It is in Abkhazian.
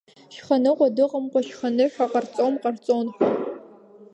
Шьханыҟәа дыҟамкәа, Шьха-ныҳәа ҟарҵом ҟарҵон ҳәа…